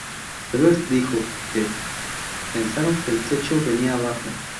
Evert dijo que "pensaron que el techo venía abajo".